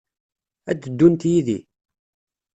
Ad d-ddunt yid-i?